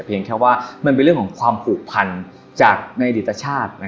เพียงแค่ว่ามันเป็นเรื่องของความผูกพันห์ลิวดีตชาติ